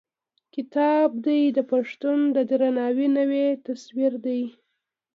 کتاب: دی د پښتون د درناوي نوی تصوير دی.